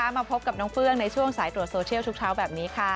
มาพบกับน้องเฟื่องในช่วงสายตรวจโซเชียลทุกเช้าแบบนี้ค่ะ